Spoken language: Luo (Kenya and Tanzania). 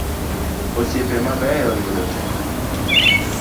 Osiepe mabeyo yudo tek